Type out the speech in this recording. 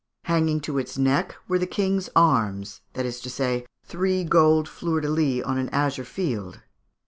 Hanging to its neck were the King's arms that is to say, three gold fleur de lys on an azure shield....